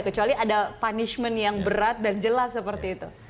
kecuali ada punishment yang berat dan jelas seperti itu